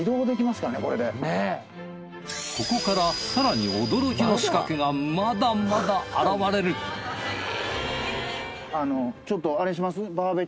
ここからさらに驚きの仕掛けがまだまだ現れるちょっとあれします？